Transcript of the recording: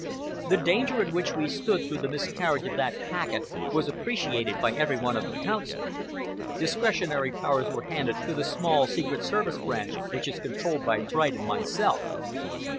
The danger in which we stood through the miscarriage of that packet was appreciated by every one of the Council. Discretionary powers were handed to the small secret service branch which is controlled by Bright and myself.